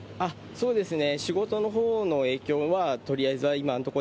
そうですね。